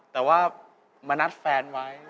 แต่ว่ามานัดแฟนไว้